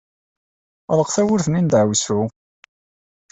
Ɣleq tawwurt-nni n ddeɛwessu!